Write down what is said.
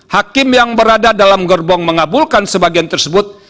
hakim yang berada dalam gerbong mengabulkan sebagian tersebut